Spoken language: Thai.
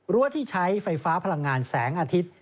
ที่ใช้ไฟฟ้าพลังงานแสงอาทิตย์